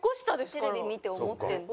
テレビ見て思ってるんだ。